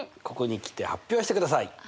ここに来て発表してください。